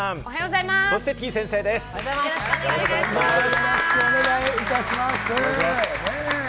よろしくお願いします。